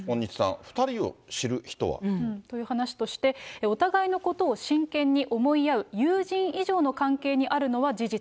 また、という話として、お互いのことを真剣に思い合う、友人以上の関係にあるのは事実。